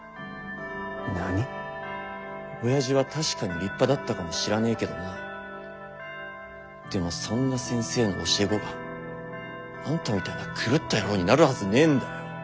親父は確かに立派だったかもしらねえけどなでもそんな先生の教え子があんたみたいな狂った野郎になるはずねえんだよ。